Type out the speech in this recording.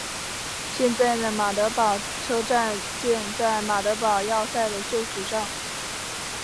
现在的马德堡车站建在马德堡要塞的旧址上。